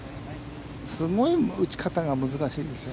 すごい打ち方が難しいんですよ。